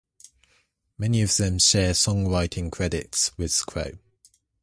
Many of them share songwriting credits with Crow.